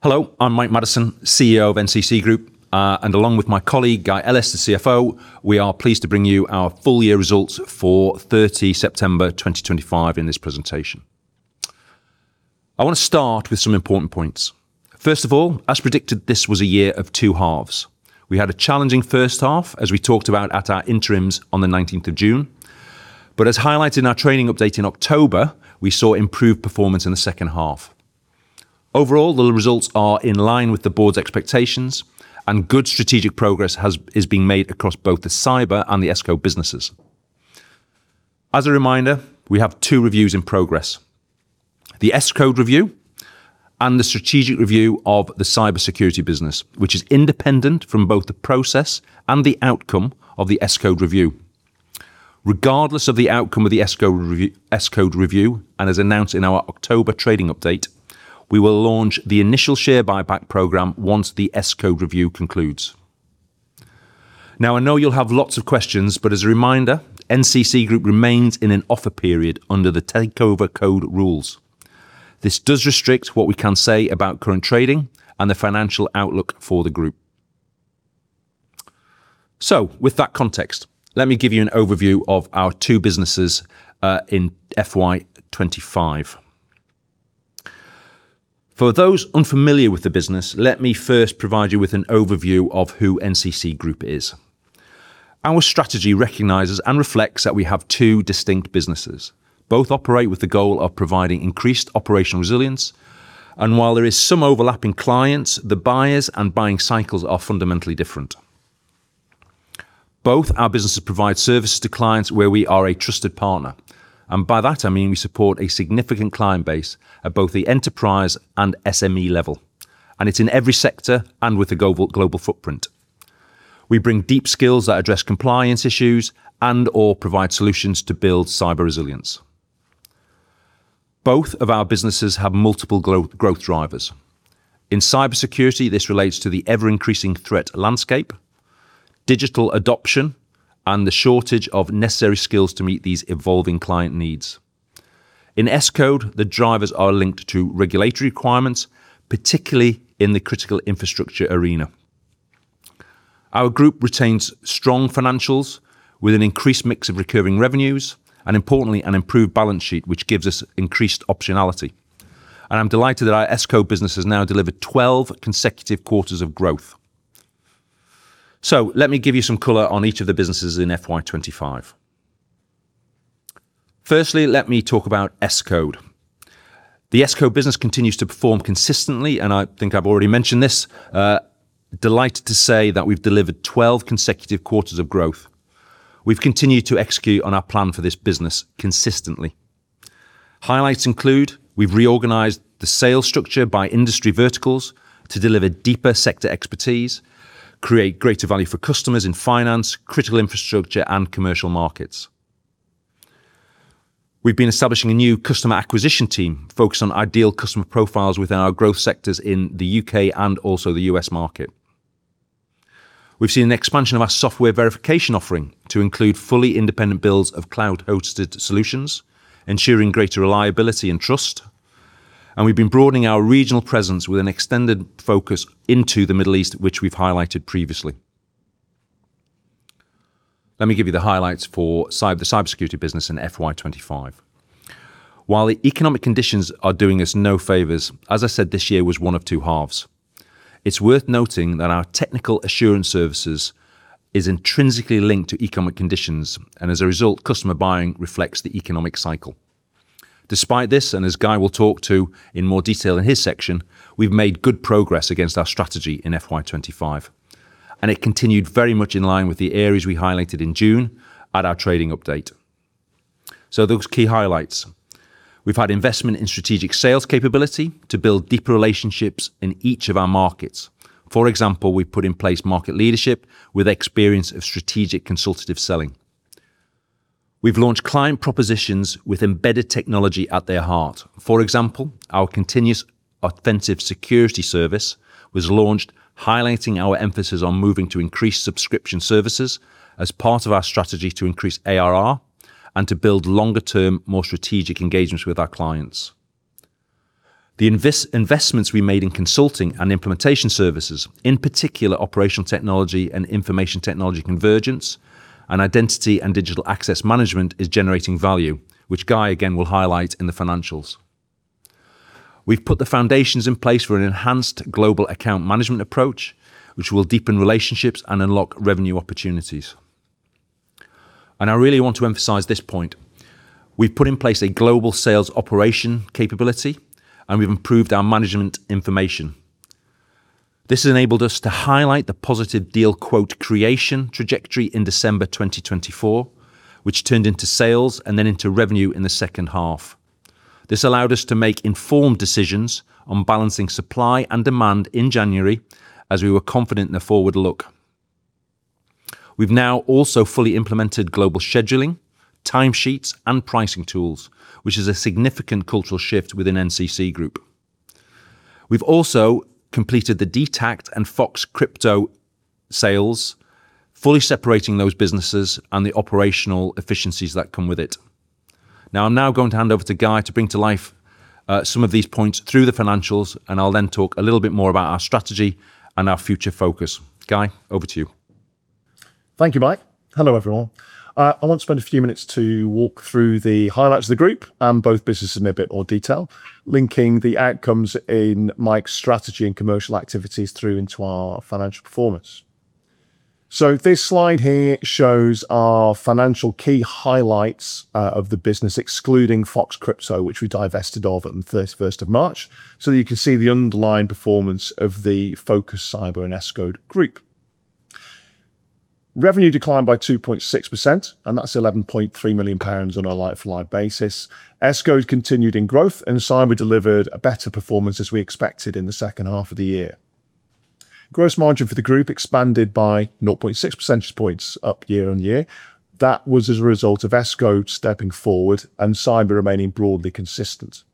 Hello, I'm Mike Maddison, CEO of NCC Group, and along with my colleague, Guy Ellis, the CFO, we are pleased to bring you our full year results for 30 September 2025 in this presentation. I want to start with some important points. First of all, as predicted, this was a year of two halves. We had a challenging first half, as we talked about at our interims on the 19th of June, but as highlighted in our trading update in October, we saw improved performance in the second half. Overall, the results are in line with the board's expectations, and good strategic progress is being made across both the Cyber and the Escode businesses. As a reminder, we have two reviews in progress: the Escode review and the strategic review of the cybersecurity business, which is independent from both the process and the outcome of the Escode review. Regardless of the outcome of the Escode review, and as announced in our October trading update, we will launch the initial share buyback program once the Escode review concludes. Now, I know you'll have lots of questions, but as a reminder, NCC Group remains in an offer period under the Takeover Code rules. This does restrict what we can say about current trading and the financial outlook for the group. So, with that context, let me give you an overview of our two businesses in FY 2025. For those unfamiliar with the business, let me first provide you with an overview of who NCC Group is. Our strategy recognizes and reflects that we have two distinct businesses. Both operate with the goal of providing increased operational resilience, and while there are some overlapping clients, the buyers and buying cycles are fundamentally different. Both our businesses provide services to clients where we are a trusted partner, and by that, I mean we support a significant client base at both the enterprise and SME level, and it's in every sector and with a global footprint. We bring deep skills that address compliance issues and/or provide solutions to build cyber resilience. Both of our businesses have multiple growth drivers. In cybersecurity, this relates to the ever-increasing threat landscape, digital adoption, and the shortage of necessary skills to meet these evolving client needs. In Escode, the drivers are linked to regulatory requirements, particularly in the critical infrastructure arena. Our group retains strong financials with an increased mix of recurring revenues and, importantly, an improved balance sheet, which gives us increased optionality, and I'm delighted that our Escode business has now delivered 12 consecutive quarters of growth. Let me give you some color on each of the businesses in FY 2025. Firstly, let me talk about Escode. The Escode business continues to perform consistently, and I think I've already mentioned this. Delighted to say that we've delivered 12 consecutive quarters of growth. We've continued to execute on our plan for this business consistently. Highlights include we've reorganized the sales structure by industry verticals to deliver deeper sector expertise, create greater value for customers in finance, critical infrastructure, and commercial markets. We've been establishing a new customer acquisition team focused on ideal customer profiles within our growth sectors in the U.K. and also the U.S. market. We've seen an expansion of our software verification offering to include fully independent builds of cloud-hosted solutions, ensuring greater reliability and trust. We've been broadening our regional presence with an extended focus into the Middle East, which we've highlighted previously. Let me give you the highlights for the cybersecurity business in FY 2025. While the economic conditions are doing us no favors, as I said, this year was one of two halves. It's worth noting that our Technical Assurance services are intrinsically linked to economic conditions, and as a result, customer buying reflects the economic cycle. Despite this, and as Guy will talk to in more detail in his section, we've made good progress against our strategy in FY 2025, and it continued very much in line with the areas we highlighted in June at our trading update. So, those key highlights. We've had investment in strategic sales capability to build deeper relationships in each of our markets. For example, we've put in place market leadership with experience of strategic consultative selling. We've launched client propositions with embedded technology at their heart. For example, our Continuous Offensive Security service was launched, highlighting our emphasis on moving to increased subscription services as part of our strategy to increase ARR and to build longer-term, more strategic engagements with our clients. The investments we made in Consulting and Implementation services, in particular Operational Technology and information technology convergence, and Identity and Digital Access Management, are generating value, which Guy, again, will highlight in the financials. We've put the foundations in place for an enhanced global account management approach, which will deepen relationships and unlock revenue opportunities, and I really want to emphasize this point. We've put in place a global sales operation capability, and we've improved our management information. This enabled us to highlight the positive deal quote creation trajectory in December 2024, which turned into sales and then into revenue in the second half. This allowed us to make informed decisions on balancing supply and demand in January as we were confident in the forward look. We've now also fully implemented global scheduling, timesheets, and pricing tools, which is a significant cultural shift within NCC Group. We've also completed the DetACT and Fox Crypto sales, fully separating those businesses and the operational efficiencies that come with it. Now, I'm going to hand over to Guy to bring to life some of these points through the financials, and I'll then talk a little bit more about our strategy and our future focus. Guy, over to you. Thank you, Mike. Hello, everyone. I want to spend a few minutes to walk through the highlights of the group and both businesses in a bit more detail, linking the outcomes in Mike's strategy and commercial activities through into our financial performance. So, this slide here shows our financial key highlights of the business, excluding Fox Crypto, which we divested of on the 31st of March. So, you can see the underlying performance of the focus cyber and Escode group. Revenue declined by 2.6%, and that's 11.3 million pounds on a YoY basis. Escode continued in growth, and cyber delivered a better performance as we expected in the second half of the year. Gross margin for the group expanded by 0.6 percentage points up year-on-year. That was as a result of Escode stepping forward and cyber remaining broadly consistent.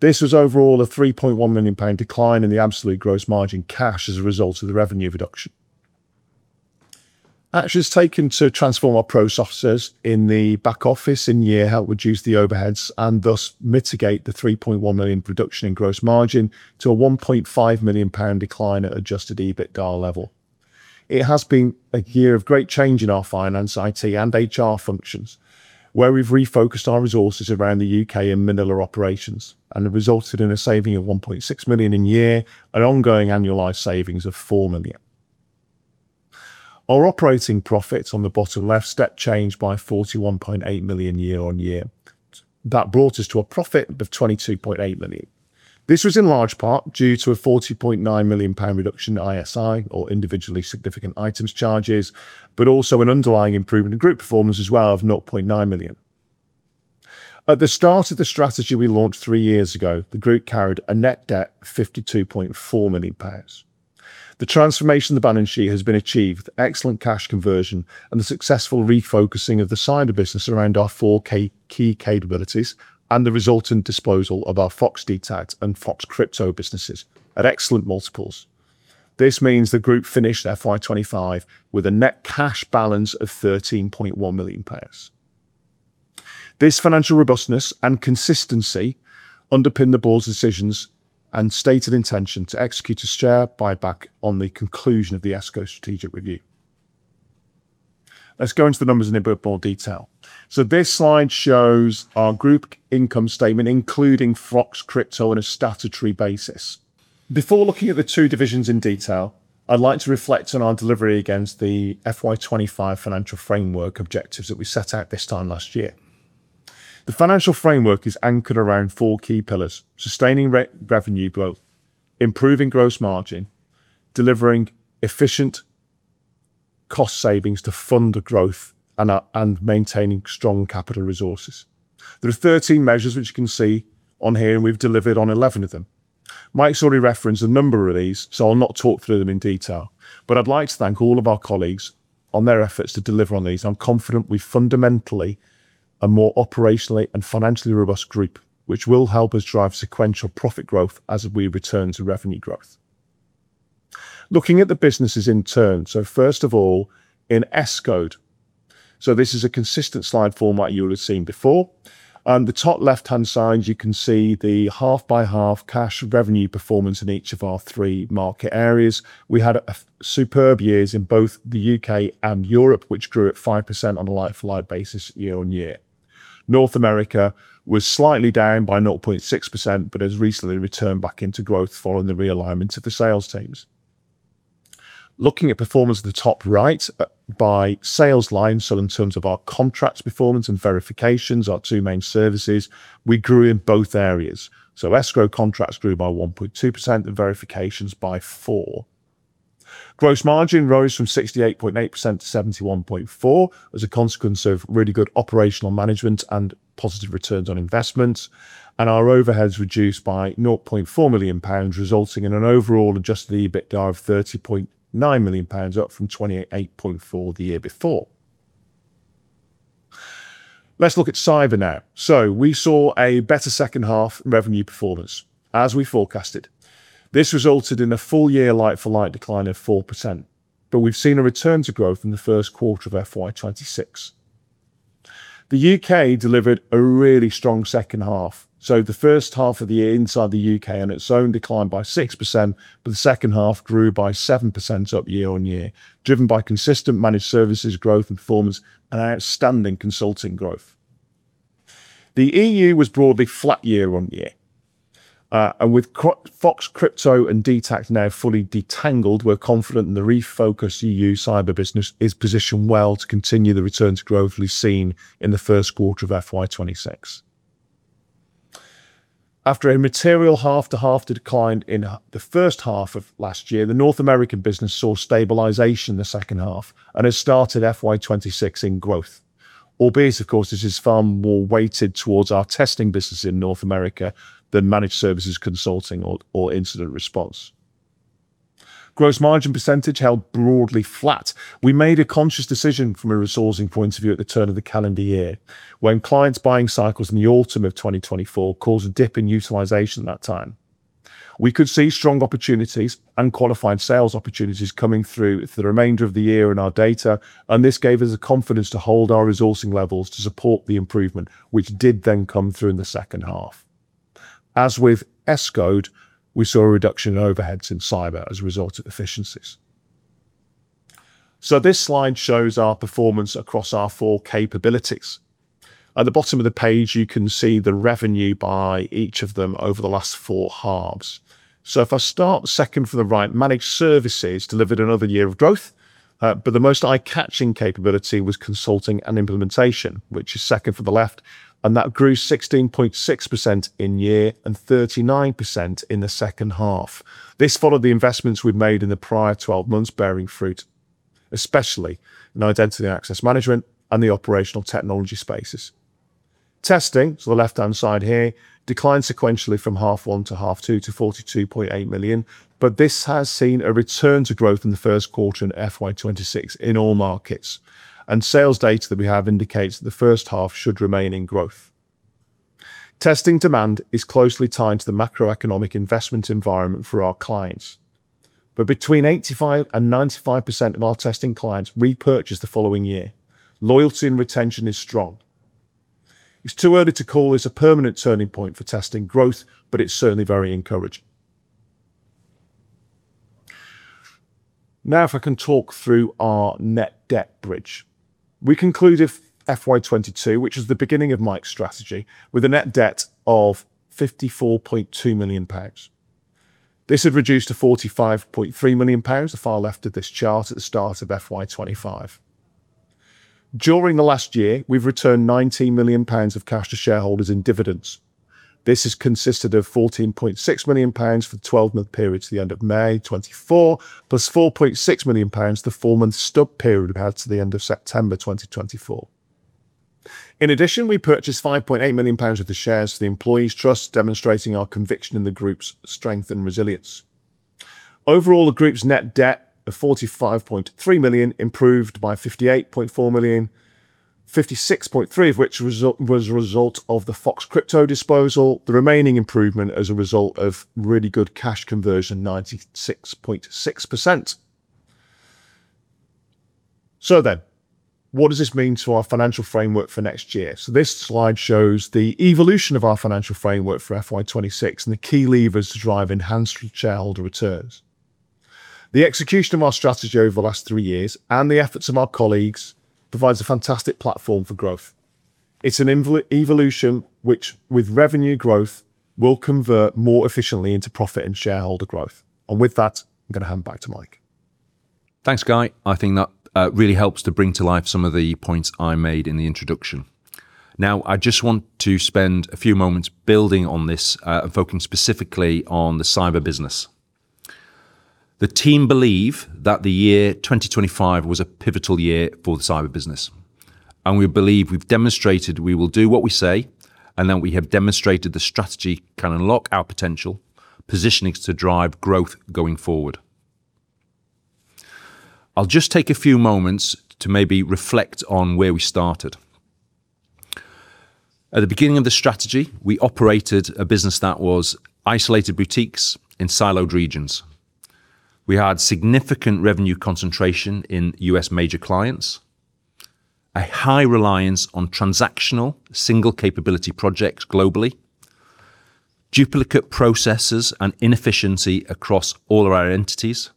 This was overall a 3.1 million pound decline in the absolute gross margin cash as a result of the revenue reduction. Actions taken to transform our processes in the back office in year helped reduce the overheads and thus mitigate the 3.1 million reduction in gross margin to a 1.5 million pound decline at Adjusted EBITDA level. It has been a year of great change in our finance, IT, and HR functions, where we've refocused our resources around the U.K. and Manila operations, and it resulted in a saving of 1.6 million in year and ongoing annualized savings of 4 million. Our operating profits on the bottom left step changed by 41.8 million year-on-year. That brought us to a profit of 22.8 million. This was in large part due to a 40.9 million pound reduction in ISI, or Individually ignificant Items charges, but also an underlying improvement in group performance as well of 0.9 million. At the start of the strategy we launched three years ago, the group carried a net debt of 52.4 million. The transformation of the balance sheet has been achieved with excellent cash conversion and the successful refocusing of the cyber business around our four key capabilities and the resultant disposal of our Fox DetACT and Fox Crypto businesses at excellent multiples. This means the group finished FY 2025 with a net cash balance of 13.1 million. This financial robustness and consistency underpin the board's decisions and stated intention to execute a share buyback on the conclusion of the Escode strategic review. Let's go into the numbers in a bit more detail. This slide shows our group income statement, including Fox Crypto on a statutory basis. Before looking at the two divisions in detail, I'd like to reflect on our delivery against the FY 2025 financial framework objectives that we set out this time last year. The financial framework is anchored around four key pillars: sustaining revenue growth, improving gross margin, delivering efficient cost savings to fund the growth, and maintaining strong capital resources. There are 13 measures which you can see on here, and we've delivered on 11 of them. Mike's already referenced a number of these, so I'll not talk through them in detail, but I'd like to thank all of our colleagues on their efforts to deliver on these. I'm confident we fundamentally are a more operationally and financially robust group, which will help us drive sequential profit growth as we return to revenue growth. Looking at the businesses in turn, so first of all, in Escode, so this is a consistent slide format you will have seen before. On the top left-hand side, you can see the half-on-half cash revenue performance in each of our three market areas. We had superb years in both the U.K. and Europe, which grew at 5% on a like-for-like basis year on year. North America was slightly down by 0.6%, but has recently returned back into growth following the realignment of the sales teams. Looking at performance at the top right by sales line, so in terms of our contracts performance and verifications, our two main services, we grew in both areas. So Escode contracts grew by 1.2% and verifications by 4%. Gross margin rose from 68.8% to 71.4% as a consequence of really good operational management and positive returns on investment, and our overhead was reduced by 0.4 million pounds, resulting in an overall Adjusted EBITDA of 30.9 million pounds, up from 28.4 the year before. Let's look at cyber now. So, we saw a better second half revenue performance as we forecasted. This resulted in a full year like-for-like decline of 4%, but we've seen a return to growth in the first quarter of FY 2026. The U.K. delivered a really strong second half. So, the first half of the year inside the U.K. on its own declined by 6%, but the second half grew by 7% up year-on-year, driven by consistent Managed Services growth and performance and outstanding consulting growth. The EU was broadly flat year on year. And with Fox Crypto and DetACT now fully detangled, we're confident in the refocused EU cyber business is positioned well to continue the returns growth we've seen in the first quarter of FY 2026. After a material half-on-half decline in the first half of last year, the North American business saw stabilization in the second half and has started FY 2026 in growth, albeit, of course, this is far more weighted towards our testing business in North America than Managed Services, consulting, or incident response. Gross margin percentage held broadly flat. We made a conscious decision from a resourcing point of view at the turn of the calendar year when clients' buying cycles in the autumn of 2024 caused a dip in utilization at that time. We could see strong opportunities and qualified sales opportunities coming through for the remainder of the year in our data, and this gave us the confidence to hold our resourcing levels to support the improvement, which did then come through in the second half. As with Escode, we saw a reduction in overheads in cyber as a result of efficiencies. So, this slide shows our performance across our four capabilities. At the bottom of the page, you can see the revenue by each of them over the last four halves. So, if I start second from the right, Managed Services delivered another year of growth, but the most eye-catching capability was consulting and implementation, which is second from the left, and that grew 16.6% in year and 39% in the second half. This followed the investments we've made in the prior 12 months, bearing fruit, especially in Identity Access Management and the Operational Technology spaces. Testing, to the left-hand side here, declined sequentially from half one to half two to 42.8 million, but this has seen a return to growth in the first quarter in FY 2026 in all markets, and sales data that we have indicates that the first half should remain in growth. Testing demand is closely tied to the macroeconomic investment environment for our clients, but between 85% and 95% of our testing clients repurchased the following year. Loyalty and retention is strong. It's too early to call this a permanent turning point for testing growth, but it's certainly very encouraging. Now, if I can talk through our net debt bridge. We concluded FY 2022, which was the beginning of Mike's strategy, with a net debt of GBP 54.2 million. This had reduced to GBP 45.3 million, the far left of this chart at the start of FY 2025. During the last year, we've returned GBP 19 million of cash to shareholders in dividends. This has consisted of GBP 14.6 million for the 12-month period to the end of May 2024, plus GBP 4.6 million for the four-month stub period we had to the end of September 2024. In addition, we purchased 5.8 million pounds of the shares of the employees' trust, demonstrating our conviction in the group's strength and resilience. Overall, the group's net debt of 45.3 million improved by 58.4 million, 56.3% of which was a result of the Fox Crypto disposal, the remaining improvement as a result of really good cash conversion, 96.6%. So then, what does this mean for our financial framework for next year? So, this slide shows the evolution of our financial framework for FY 2026 and the key levers to drive enhanced shareholder returns. The execution of our strategy over the last three years and the efforts of our colleagues provides a fantastic platform for growth. It's an evolution which, with revenue growth, will convert more efficiently into profit and shareholder growth. And with that, I'm going to hand back to Mike. Thanks, Guy. I think that really helps to bring to life some of the points I made in the introduction. Now, I just want to spend a few moments building on this and focusing specifically on the cyber business. The team believes that the year 2025 was a pivotal year for the cyber business, and we believe we've demonstrated we will do what we say, and that we have demonstrated the strategy can unlock our potential, positioning us to drive growth going forward. I'll just take a few moments to maybe reflect on where we started. At the beginning of the strategy, we operated a business that was isolated boutiques in siloed regions. We had significant revenue concentration in U.S. major clients, a high reliance on transactional single capability projects globally, duplicate processes, and inefficiency across all of our entities.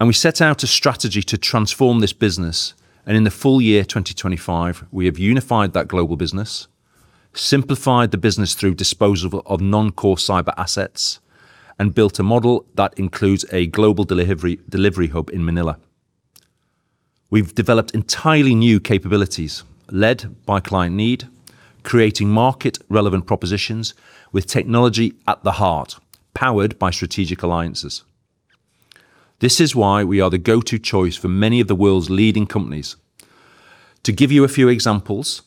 We set out a strategy to transform this business, and in the full year 2025, we have unified that global business, simplified the business through disposal of non-core cyber assets, and built a model that includes a global delivery hub in Manila. We've developed entirely new capabilities led by client need, creating market-relevant propositions with technology at the heart, powered by strategic alliances. This is why we are the go-to choice for many of the world's leading companies. To give you a few examples,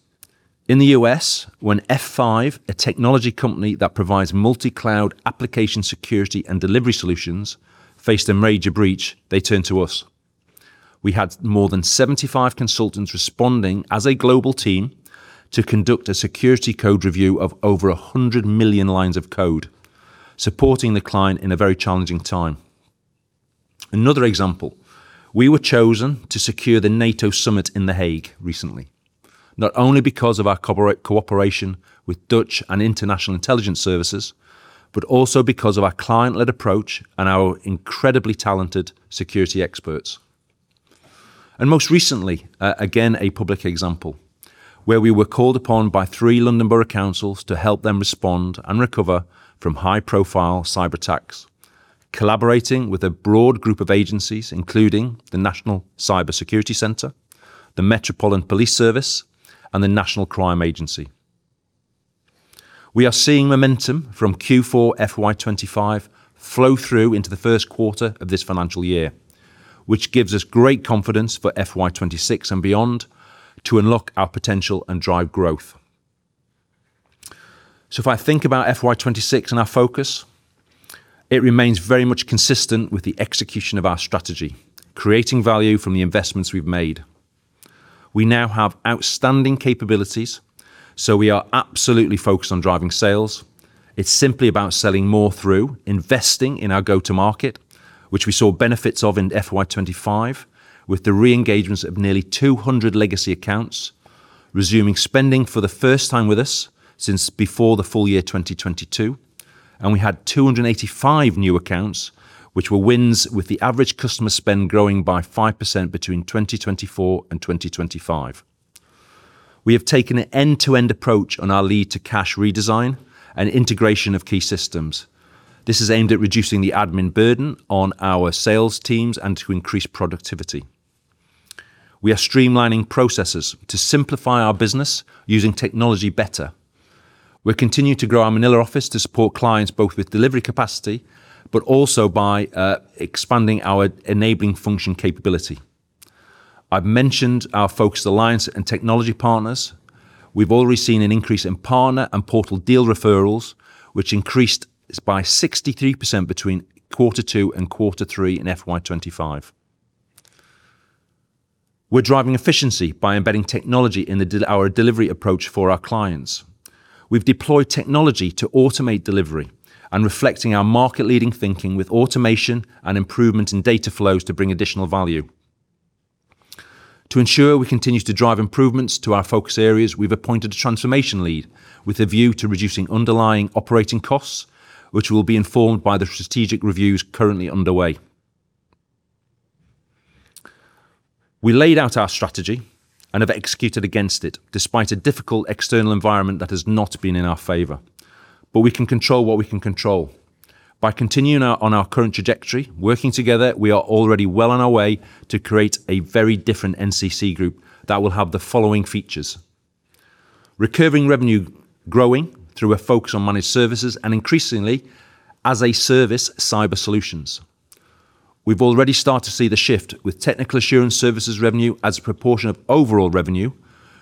in the U.S., when F5, a technology company that provides multi-cloud application security and delivery solutions, faced a major breach, they turned to us. We had more than 75 consultants responding as a global team to conduct a security code review of over 100 million lines of code, supporting the client in a very challenging time. Another example, we were chosen to secure the NATO summit in The Hague recently, not only because of our cooperation with Dutch and international intelligence services, but also because of our client-led approach and our incredibly talented security experts, and most recently, again, a public example, where we were called upon by three London Borough Councils to help them respond and recover from high-profile cyber attacks, collaborating with a broad group of agencies, including the National Cyber Security Centre, the Metropolitan Police Service, and the National Crime Agency. We are seeing momentum from Q4 FY 2025 flow through into the first quarter of this financial year, which gives us great confidence for FY 2026 and beyond to unlock our potential and drive growth, so if I think about FY 2026 and our focus, it remains very much consistent with the execution of our strategy, creating value from the investments we've made. We now have outstanding capabilities, so we are absolutely focused on driving sales. It's simply about selling more through investing in our go-to-market, which we saw benefits of in FY 2025, with the re-engagements of nearly 200 legacy accounts resuming spending for the first time with us since before the full year 2022, and we had 285 new accounts, which were wins with the average customer spend growing by 5% between 2024 and 2025. We have taken an end-to-end approach on our lead-to-cash redesign and integration of key systems. This is aimed at reducing the admin burden on our sales teams and to increase productivity. We are streamlining processes to simplify our business using technology better. We're continuing to grow our Manila office to support clients both with delivery capacity, but also by expanding our enabling function capability. I've mentioned our focused alliance and technology partners. We've already seen an increase in partner and portal deal referrals, which increased by 63% between quarter two and quarter three in FY 2025. We're driving efficiency by embedding technology in our delivery approach for our clients. We've deployed technology to automate delivery and reflecting our market-leading thinking with automation and improvements in data flows to bring additional value. To ensure we continue to drive improvements to our focus areas, we've appointed a transformation lead with a view to reducing underlying operating costs, which will be informed by the strategic reviews currently underway. We laid out our strategy and have executed against it despite a difficult external environment that has not been in our favor, but we can control what we can control. By continuing on our current trajectory, working together, we are already well on our way to create a very different NCC Group that will have the following features: recurring revenue growing through a focus on Managed Services and increasingly as a service cyber solutions. We've already started to see the shift with Technical Assurance services revenue as a proportion of overall revenue,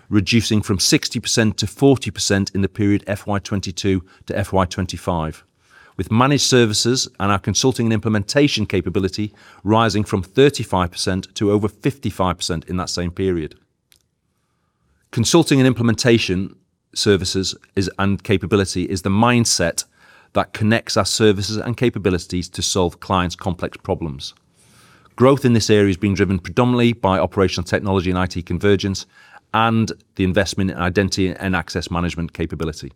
reducing from 60% to 40% in the period FY 2022 to FY 2025, with Managed Services and our consulting and implementation capability rising from 35% to over 55% in that same period. Consulting and implementation services and capability is the mindset that connects our services and capabilities to solve clients' complex problems. Growth in this area is being driven predominantly by operational technology and IT convergence and the investment in identity and access management capability.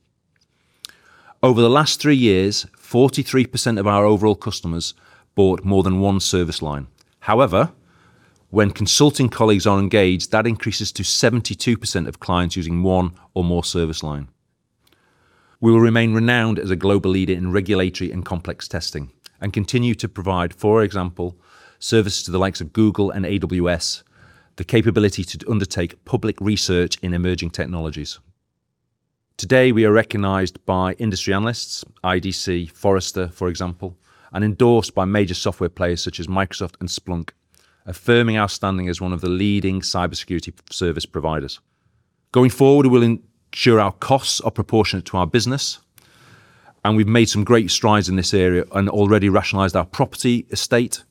Over the last three years, 43% of our overall customers bought more than one service line. However, when consulting colleagues are engaged, that increases to 72% of clients using one or more service line. We will remain renowned as a global leader in regulatory and complex testing and continue to provide, for example, services to the likes of Google and AWS, the capability to undertake public research in emerging technologies. Today, we are recognized by industry analysts, IDC, Forrester, for example, and endorsed by major software players such as Microsoft and Splunk, affirming our standing as one of the leading cybersecurity service providers. Going forward, we will ensure our costs are proportionate to our business, and we've made some great strides in this area and already rationalized our property estate,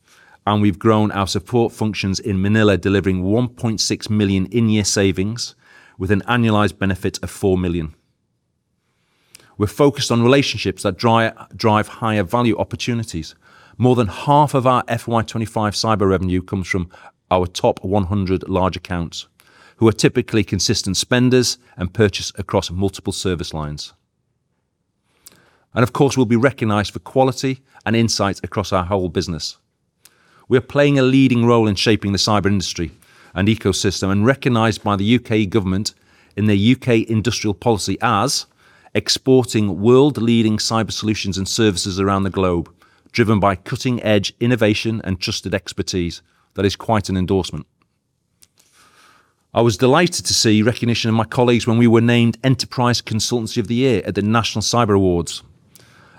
and we've grown our support functions in Manila, delivering 1.6 million in-year savings with an annualized benefit of 4 million. We're focused on relationships that drive higher value opportunities. More than half of our FY 2025 cyber revenue comes from our top 100 large accounts, who are typically consistent spenders and purchase across multiple service lines, and of course, we'll be recognized for quality and insights across our whole business. We are playing a leading role in shaping the cyber industry and ecosystem and recognized by the U.K. government in their U.K. industrial policy as exporting world-leading cyber solutions and services around the globe, driven by cutting-edge innovation and trusted expertise. That is quite an endorsement. I was delighted to see recognition of my colleagues when we were named Enterprise Consultancy of the Year at the National Cyber Awards,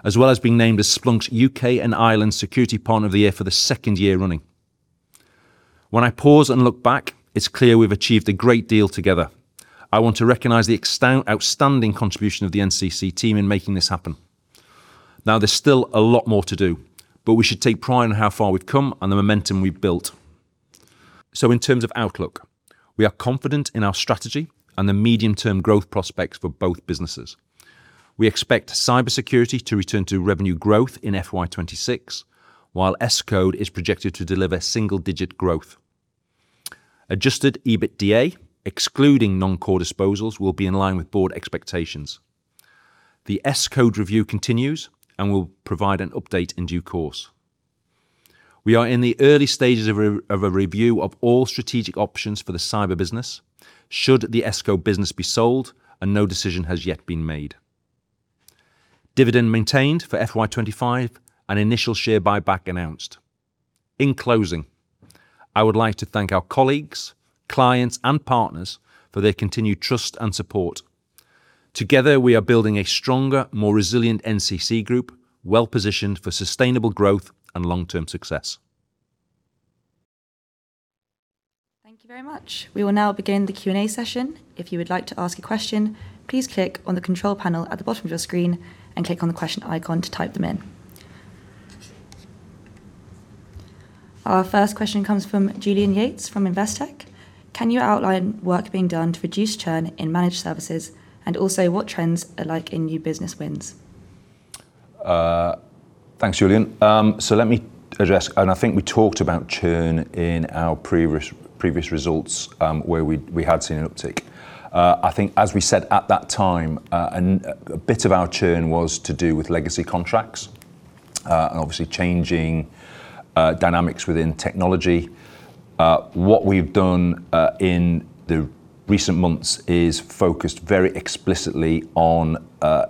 as well as being named as Splunk's U.K. and Ireland Security Partner of the Year for the second year running. When I pause and look back, it's clear we've achieved a great deal together. I want to recognize the outstanding contribution of the NCC team in making this happen. Now, there's still a lot more to do, but we should take pride in how far we've come and the momentum we've built. So, in terms of outlook, we are confident in our strategy and the medium-term growth prospects for both businesses. We expect cybersecurity to return to revenue growth in FY 2026, while Escode is projected to deliver single-digit growth. Adjusted EBITDA, excluding non-core disposals, will be in line with board expectations. The Escode review continues and will provide an update in due course. We are in the early stages of a review of all strategic options for the cyber business should the Escode business be sold and no decision has yet been made. Dividend maintained for FY 2025 and initial share buyback announced. In closing, I would like to thank our colleagues, clients, and partners for their continued trust and support. Together, we are building a stronger, more resilient NCC Group, well-positioned for sustainable growth and long-term success. Thank you very much. We will now begin the Q&A session. If you would like to ask a question, please click on the control panel at the bottom of your screen and click on the question icon to type them in. Our first question comes from Julian Yates from Investec. Can you outline work being done to reduce churn in Managed Services and also what trends are like in new business wins? Thanks, Julian. So, let me address, and I think we talked about churn in our previous results where we had seen an uptick. I think, as we said at that time, a bit of our churn was to do with legacy contracts and obviously changing dynamics within technology. What we've done in the recent months is focused very explicitly on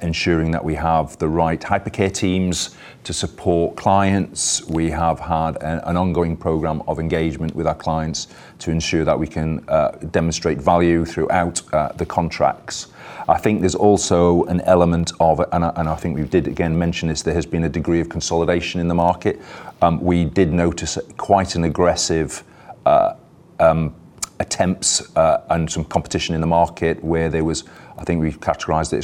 ensuring that we have the right hypercare teams to support clients. We have had an ongoing program of engagement with our clients to ensure that we can demonstrate value throughout the contracts. I think there's also an element of, and I think we did again mention this, there has been a degree of consolidation in the market. We did notice quite an aggressive attempts and some competition in the market where there was, I think we've categorized it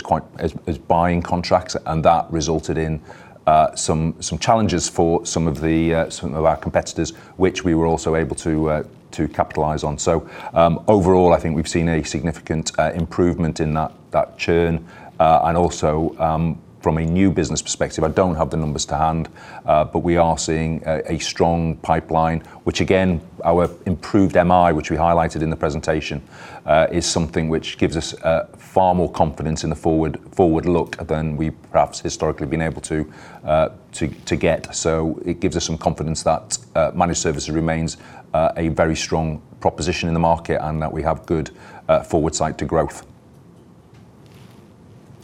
as buying contracts, and that resulted in some challenges for some of our competitors, which we were also able to capitalize on. So, overall, I think we've seen a significant improvement in that churn. And also, from a new business perspective, I don't have the numbers to hand, but we are seeing a strong pipeline, which again, our improved MI, which we highlighted in the presentation, is something which gives us far more confidence in the forward look than we perhaps historically have been able to get. So, it gives us some confidence that Managed Services remains a very strong proposition in the market and that we have good forward sight to growth.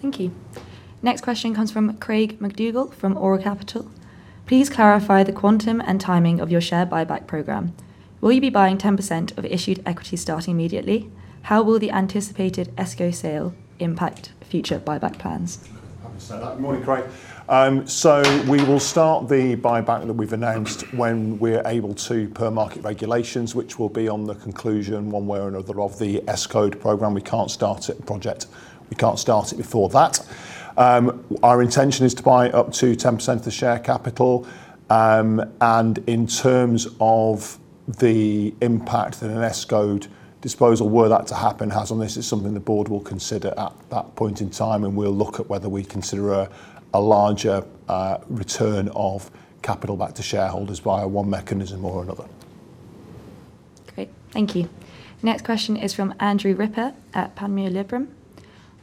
Thank you. Next question comes from Craig McDougall from Aurel Capital. Please clarify the quantum and timing of your share buyback program. Will you be buying 10% of issued equity starting immediately? How will the anticipated Escode sale impact future buyback plans? Good morning, Craig. So, we will start the buyback that we've announced when we're able to, per market regulations, which will be on the conclusion one way or another of the Escode program. We can't start it at the project. We can't start it before that. Our intention is to buy up to 10% of the share capital. And in terms of the impact that an Escode disposal, were that to happen, has on this, it's something the board will consider at that point in time, and we'll look at whether we consider a larger return of capital back to shareholders via one mechanism or another. Great. Thank you. Next question is from Andrew Ripper at Panmure Liberum.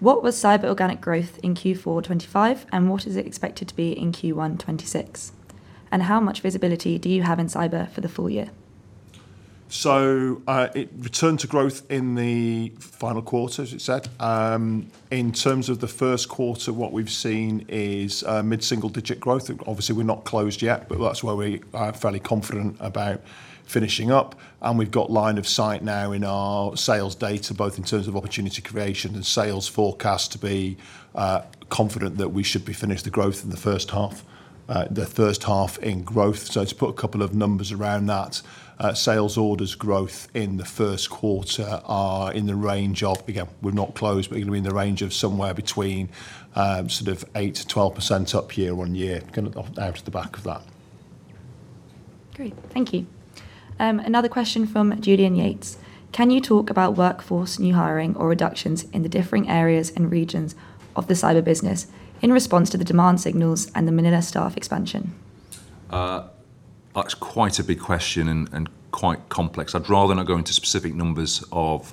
What was cyber organic growth in Q4 2025, and what is it expected to be in Q1 2026? And how much visibility do you have in cyber for the full year? So, it returned to growth in the final quarter, as it said. In terms of the first quarter, what we've seen is mid-single-digit growth. Obviously, we're not closed yet, but that's where we are fairly confident about finishing up. And we've got line of sight now in our sales data, both in terms of opportunity creation and sales forecast, to be confident that we should be finished the growth in the first half, the first half in growth. So, to put a couple of numbers around that, sales orders growth in the first quarter are in the range of, again, we're not closed, but we're going to be in the range of somewhere between sort of 8%-12% up year-on-year, kind of out of the back of that. Great. Thank you. Another question from Julian Yates. Can you talk about workforce new hiring or reductions in the differing areas and regions of the cyber business in response to the demand signals and the Manila staff expansion? That's quite a big question and quite complex. I'd rather not go into specific numbers of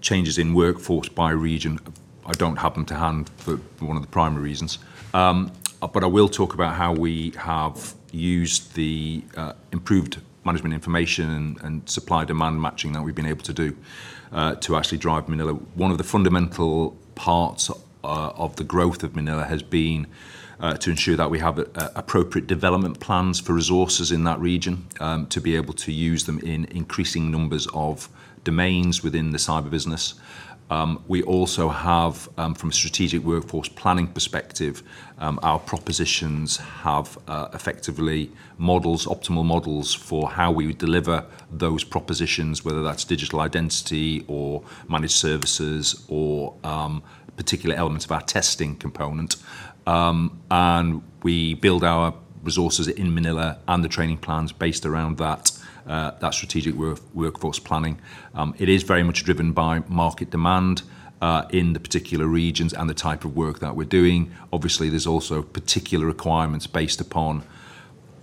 changes in workforce by region. I don't have them to hand for one of the primary reasons. But I will talk about how we have used the improved management information and supply-demand matching that we've been able to do to actually drive Manila. One of the fundamental parts of the growth of Manila has been to ensure that we have appropriate development plans for resources in that region to be able to use them in increasing numbers of domains within the cyber business. We also have, from a strategic workforce planning perspective, our propositions have effective models, optimal models for how we deliver those propositions, whether that's digital identity or Managed Services or particular elements of our testing component. And we build our resources in Manila and the training plans based around that strategic workforce planning. It is very much driven by market demand in the particular regions and the type of work that we're doing. Obviously, there's also particular requirements based upon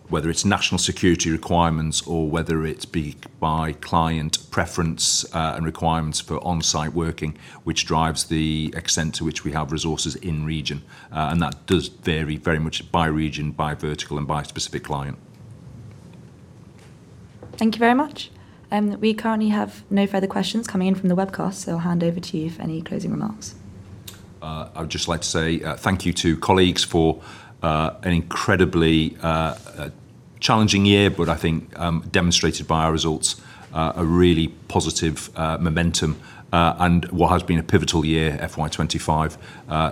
whether it's national security requirements or whether it be by client preference and requirements for on-site working, which drives the extent to which we have resources in region. And that does vary very much by region, by vertical, and by specific client. Thank you very much. We currently have no further questions coming in from the webcast, so I'll hand over to you for any closing remarks. I would just like to say thank you to colleagues for an incredibly challenging year, but I think, demonstrated by our results, a really positive momentum. And what has been a pivotal year, FY 2025,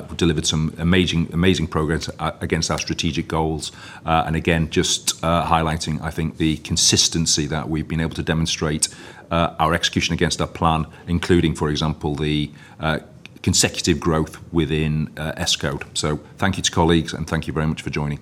we've delivered some amazing progress against our strategic goals. And again, just highlighting, I think, the consistency that we've been able to demonstrate our execution against our plan, including, for example, the consecutive growth within Escode. So, thank you to colleagues, and thank you very much for joining.